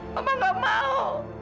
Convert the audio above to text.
mama gak mau